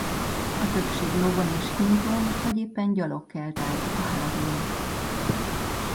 A többség lovon és hintón vagy éppen gyalog kelt át a hágón.